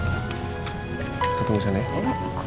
kita tunggu sana ya